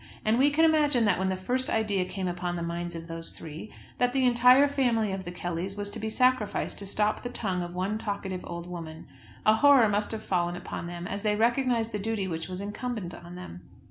And we can imagine that, when the idea first came upon the minds of those three, that the entire family of the Kellys was to be sacrificed to stop the tongue of one talkative old woman, a horror must have fallen upon them as they recognised the duty which was incumbent on them.